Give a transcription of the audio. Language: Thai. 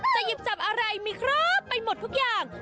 หยิบจับอะไรมีครบไปหมดทุกอย่าง